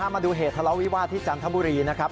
มาดูเหตุทะเลาวิวาสที่จันทบุรีนะครับ